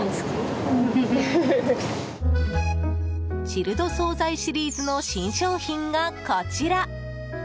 チルド総菜シリーズの新商品がこちら。